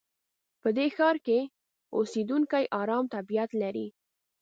په دې ښار کې اوسېدونکي ارام طبیعت لري.